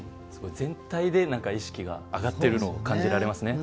全体で意識が上がっているのが感じられますね。